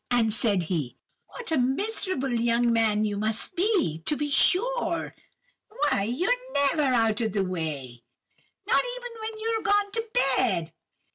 And said he:— "'What a miserable young man you must be, to be sure! Why, you're never out of the way, not even when you're gone to bed!